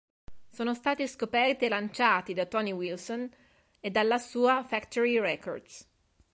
Sono stati scoperti e lanciati da Tony Wilson e dalla sua Factory Records.